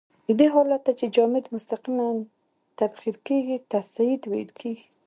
دې حالت ته چې جامد مستقیماً تبخیر کیږي تصعید ویل کیږي.